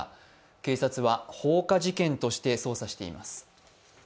警察は放火事件として捜査しています。